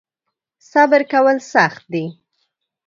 صبر کول سخت دی .